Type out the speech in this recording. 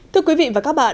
thưa quý vị và các bạn